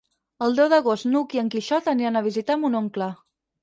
El deu d'agost n'Hug i en Quixot aniran a visitar mon oncle.